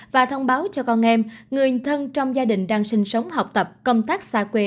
và thông báo cho con em người thân trong gia đình đang sinh sống học tập công tác xa quê